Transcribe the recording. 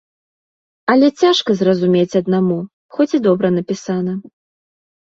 Але цяжка зразумець аднаму, хоць і добра напісана.